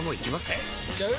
えいっちゃう？